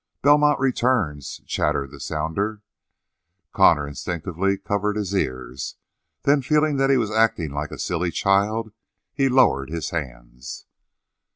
"Belmont returns " chattered the sounder. Connor instinctively covered his ears. Then, feeling that he was acting like a silly child, he lowered his hands.